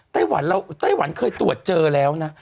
ไก่หวันเคยตรวจเจอแล้วนะ